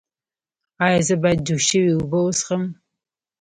ایا زه باید جوش شوې اوبه وڅښم؟